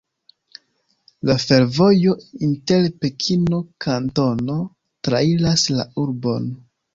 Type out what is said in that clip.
La fervojo inter Pekino-Kantono trairas la urbon.